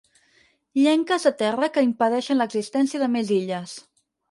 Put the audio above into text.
Llenques de terra que impedeixen l'existència de més illes.